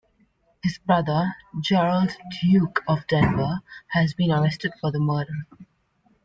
His brother, Gerald, Duke of Denver, has been arrested for the murder.